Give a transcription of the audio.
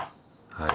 はい。